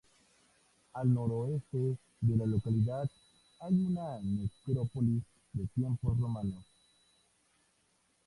Al noroeste de la localidad hay una necrópolis de tiempos romanos.